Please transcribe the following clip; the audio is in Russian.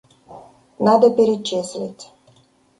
Надо перечислить.